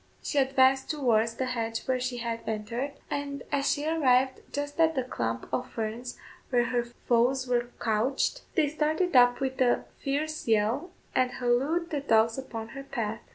She advanced towards the hedge where she had entered, and as she arrived just at the clump of ferns where her foes were couched, they started up with a fierce yell, and hallooed the dogs upon her path.